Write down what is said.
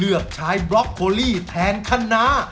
เลือกใช้บล็อกโคลี่แทนคณะ